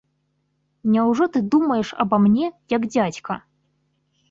Няўжо ты думаеш аба мне, як дзядзька?